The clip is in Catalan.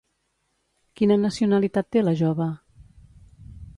Quina nacionalitat té la jove?